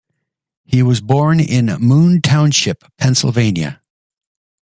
He was born in Moon Township, Pennsylvania.